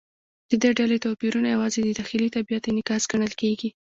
د دې ډلې توپیرونه یوازې د داخلي طبیعت انعکاس ګڼل کېږي.